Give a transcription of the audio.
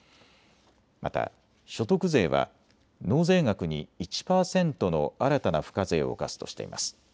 また所得税は納税額に１％の新たな付加税を課すとしています。